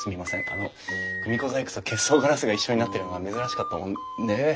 あの組子細工と結霜ガラスが一緒になってるのが珍しかったもんで。